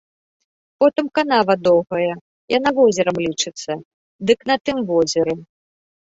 Потым канава доўгая, яна возерам лічыцца, дык на тым возеры.